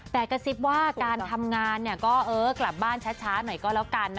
แต่กระซิบว่าการทำงานก็กลับบ้านช้าหน่อยก็แล้วกันนะ